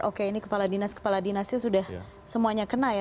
oke ini kepala dinas kepala dinasnya sudah semuanya kena ya